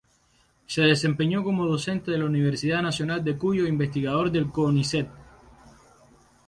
Se desempeñó como docente de la Universidad Nacional de Cuyo e investigador del Conicet.